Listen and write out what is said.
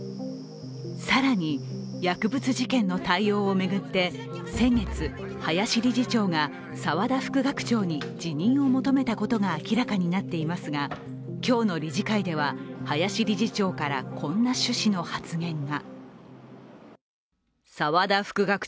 更に薬物事件の対応を巡って先月、林理事長が沢田副学長に辞任を求めたことが明らかになっていますが今日の理事会では林理事長からこんな趣旨の発言が。